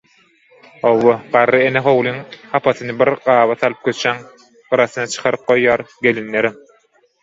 Hawa, garry ene howlyň hapasyny bir gaba salyp köçäň gyrasyna çykaryp goýýar, gelinlerem.